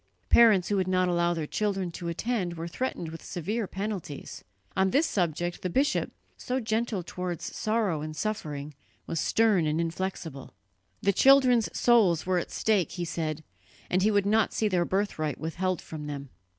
Parents who would not allow their children to attend were threatened with severe penalties; on this subject the bishop, so gentle towards sorrow and suffering, was stern and inflexible. The children's souls were at stake, he said, and he would not see their birthright withheld from them.